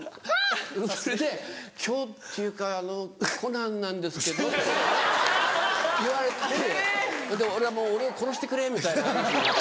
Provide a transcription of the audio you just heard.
それで「今日っていうかあのコナンなんですけど」って言われて俺はもう俺を殺してくれみたいな話になって。